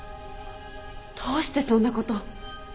どうしてそんなこと。